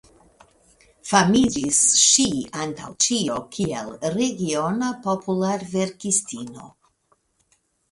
Famiĝis ŝi antaŭ ĉio kiel regiona popularverkistino.